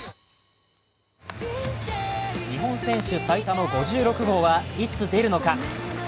日本選手最多の５６号はいつ出るのか。